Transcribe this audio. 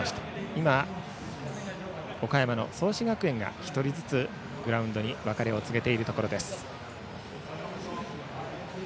今、岡山の創志学園が１人ずつグラウンドに別れを告げているところです。